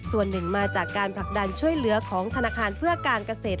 ส่วนหนึ่งมาจากการผลักดันช่วยเหลือของธนาคารเพื่อการเกษตร